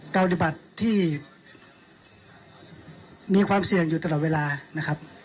ปฏิบัติที่มีความเสี่ยงอยู่ตลอดเวลานะครับ